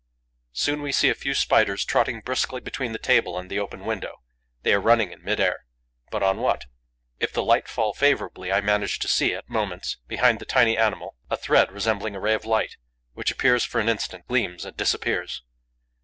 Soon we see a few Spiders trotting briskly between the table and the open window. They are running in mid air. But on what? If the light fall favourably, I manage to see, at moments, behind the tiny animal, a thread resembling a ray of light, which appears for an instant, gleams and disappears.